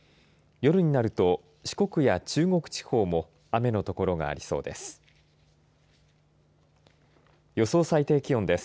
夜になると四国や中国地方も雨の所がありそうです。